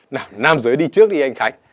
nào nam giới đi trước đi anh khánh